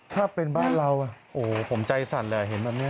ถ้าเป็นบ้านเราโอ้โหผมใจสั่นเลยเห็นแบบนี้